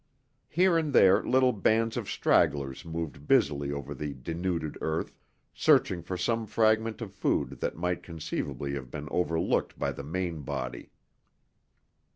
Here and there little bands of stragglers moved busily over the denuded earth, searching for some fragment of food that might conceivably have been overlooked by the main body.